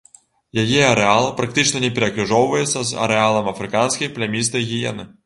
Яе арэал практычна не перакрыжоўвацца з арэалам афрыканскай плямістай гіены.